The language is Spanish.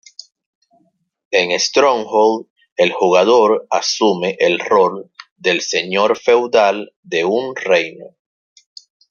En "Stronghold", el jugador asume el rol del señor feudal de un reino.